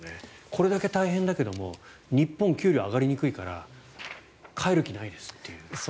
これだけ大変だけど日本は給料が上がりにくいから帰る気ないですという。